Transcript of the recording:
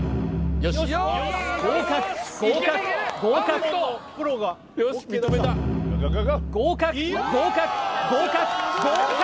合格合格合格合格合格合格合格！